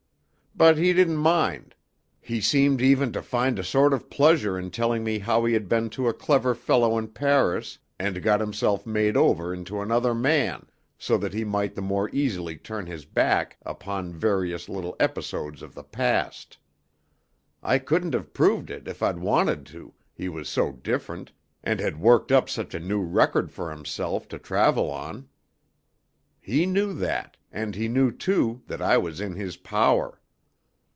But he didn't mind. He seemed even to find a sort of pleasure in telling me how he had been to a clever fellow in Paris, and got himself made over into another man, so that he might the more easily turn his back upon various little episodes of the past. I couldn't have proved it if I'd wanted to, he was so different, and had worked up such a new record for himself to travel on. He knew that, and he knew, too, that I was in his power."